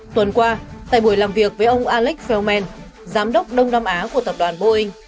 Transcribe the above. tuần qua tại buổi làm việc với ông alex feldman giám đốc đông nam á của tập đoàn boeing